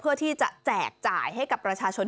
เพื่อที่จะแจกจ่ายให้กับประชาชน